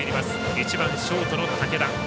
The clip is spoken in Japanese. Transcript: １番ショートの武田。